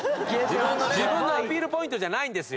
自分のアピールポイントじゃないんですよ。